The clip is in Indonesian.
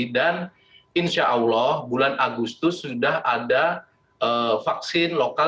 dan insya allah bulan agustus sudah ada vaksin lokal